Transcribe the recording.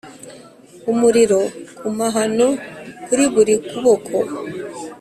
umuriro ku mahano kuri buri kuboko.